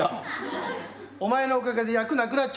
お前のおかげで役なくなっちゃった。